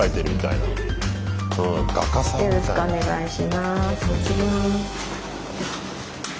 よろしくお願いします。